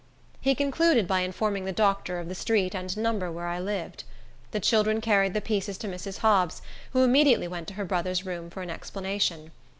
He concluded by informing the doctor of the street and number where I lived. The children carried the pieces to Mrs. Hobbs, who immediately went to her brother's room for an explanation.